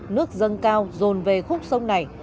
nước dâng cao dồn về khúc sông này